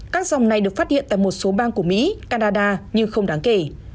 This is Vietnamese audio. các dòng này được phát hiện tại một số bang của mỹ canada nhưng không đáng kể